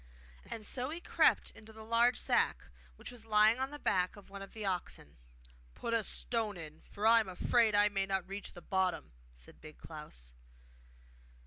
And so he crept into the large sack, which was lying on the back of one of the oxen. 'Put a stone in, for I am afraid I may not reach the bottom,' said Big Klaus.